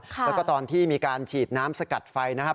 แล้วก็ตอนที่มีการฉีดน้ำสกัดไฟนะครับ